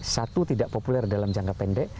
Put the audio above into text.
satu tidak populer dalam jangka pendek